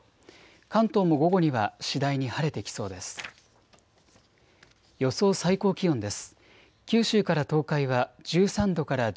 関東も午後には次第に晴れてきそうです。